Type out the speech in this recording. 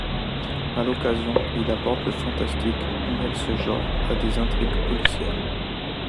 À l'occasion, il aborde le fantastique ou mêle ce genre à des intrigues policières.